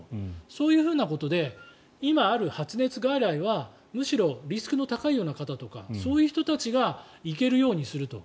そういうふうなことで今ある発熱外来はむしろリスクの高いような方とかそういう人たちが行けるようにすると。